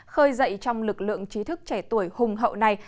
khơi dậy trong lực lượng trí thức trẻ tuổi hùng hậu này